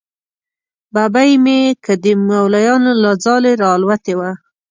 ببۍ مې که د مولیانو له ځالې را الوتې وه.